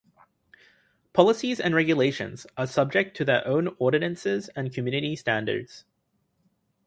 Policies and regulations are subject to their own ordinances and community standards.